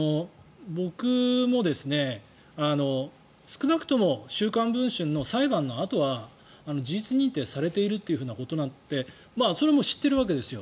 僕も、少なくとも「週刊文春」の裁判のあとには事実認定されているということなんてそれも知っているわけですよ。